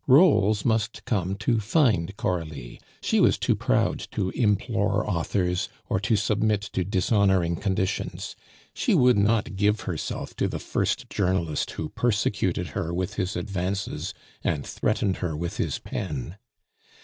Roles must come to find Coralie; she was too proud to implore authors or to submit to dishonoring conditions; she would not give herself to the first journalist who persecuted her with his advances and threatened her with his pen.